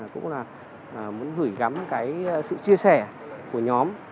cũng là muốn gửi gắm cái sự chia sẻ của nhóm